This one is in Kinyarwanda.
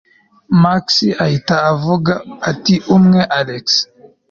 max ahita avuga ati umwe alex